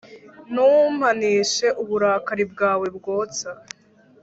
ntumpanishe uburakari bwawe bwotsa